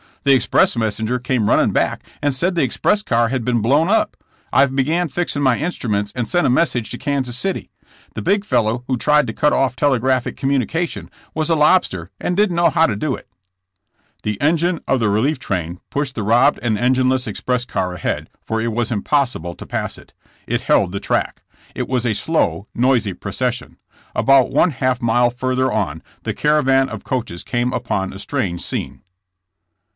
The express mes senger came running back and said the express car had been blown up. I began fixing my instruments and sent a message to Kansas City*. The big fellow who tried to cut off telegraphic communication was a lobster and didn't know how to do it." The engine of the relief train pushed the robbed and engineless express car ahead, for it was impossi ble to pass it. It held the track. It was a slow, noisy procession. About one half mile further on the caravan of coaches came upon a strange scene.